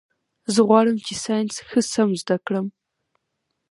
زه غواړم چي ساینس ښه سم زده کړم.